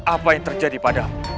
apa yang terjadi padamu